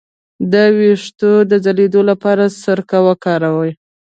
د ویښتو د ځلیدو لپاره سرکه وکاروئ